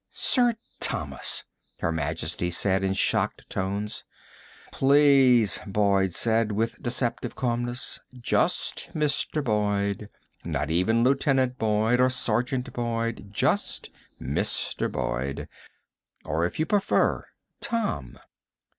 "Sir Thomas!" Her Majesty said in shocked tones. "Please," Boyd said with a deceptive calmness. "Just Mr. Boyd. Not even Lieutenant Boyd, or Sergeant Boyd. Just Mr. Boyd. Or, if you prefer, Tom."